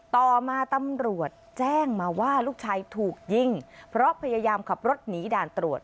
ต่อมาตำรวจแจ้งมาว่าลูกชายถูกยิงเพราะพยายามขับรถหนีด่านตรวจ